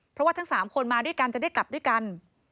เพราะว่าทั้ง๓คนมาด้วยกันจะได้กลับด้วยกัน